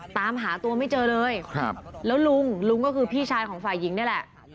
ตามหาตัวไม่เจอเลยครับแล้วลุงลุงก็คือพี่ชายของฝ่ายหญิงนี่แหละ